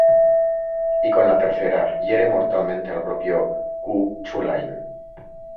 Y con la tercera, hiere mortalmente al propio Cú Chulainn.